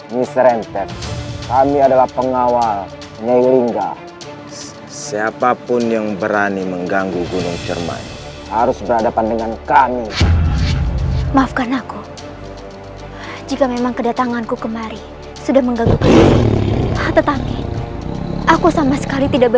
mereka dingin puisquel dengan sweetapet grupo haidak